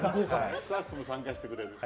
スタッフも参加してくれる。